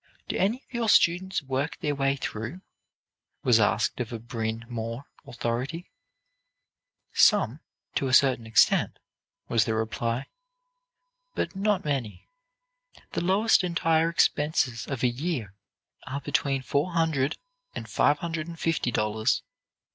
"Do any of your students work their way through?" was asked of a Bryn Mawr authority. "Some, to a certain extent," was the reply; "but not many. The lowest entire expenses of a year, are between four hundred and five hundred and fifty dollars.